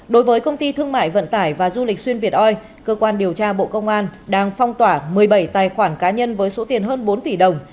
đối với công ty thương mại vận tải và du lịch xuyên việt oi cơ quan điều tra bộ công an đang phong tỏa một mươi bảy tài khoản cá nhân với số tiền hơn bốn tỷ đồng